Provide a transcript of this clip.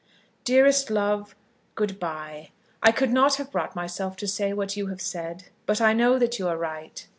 Dearest love, good bye. I could not have brought myself to say what you have said, but I know that you are right.